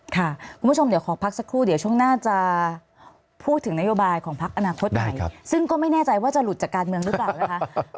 คุณผู้ชมเดี๋ยวขอพักสักครู่เดี๋ยวช่วงหน้าจะพูดถึงนโยบายของพักอนาคตใหม่ซึ่งก็ไม่แน่ใจว่าจะหลุดจากการเมืองหรือเปล่านะคะ